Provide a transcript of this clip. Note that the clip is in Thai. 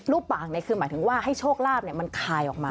รูปปากหมายถึงว่าให้โชคลาบมันคายออกมา